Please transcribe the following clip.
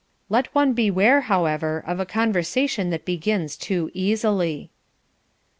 Let one beware, however, of a conversation that begins too easily.